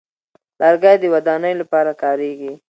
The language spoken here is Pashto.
لرګی د ودانیو لپاره کارېږي.